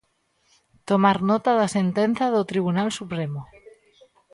Tomar nota da sentenza do Tribunal Supremo.